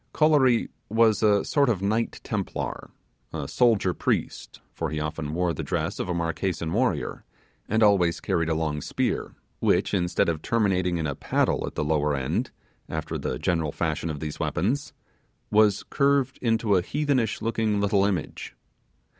Kolory was a sort of Knight Templar a soldier priest; for he often wore the dress of a Marquesan warrior, and always carried a long spear, which, instead of terminating in a paddle at the lower end, after the general fashion of these weapons, was curved into a heathenish looking little image.